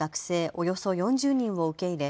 およそ４０人を受け入れ